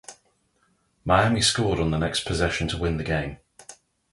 Miami scored on the next possession to win the game.